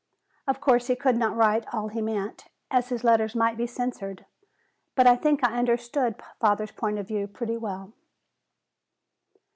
Of course, he could not write all he meant, as his letter might be censored, but I think I understood father's point of view pretty well."